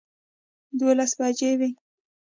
دولس بجې وې